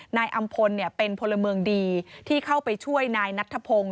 นายอำพลเป็นพลเมืองดีที่เข้าไปช่วยนายนัทธพงศ์